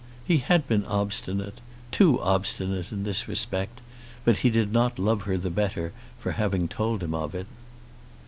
He had been obstinate, too obstinate in this respect, but he did not love her the better for having told him of it.